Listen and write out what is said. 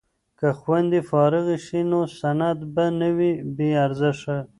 که خویندې فارغې شي نو سند به نه وي بې ارزښته.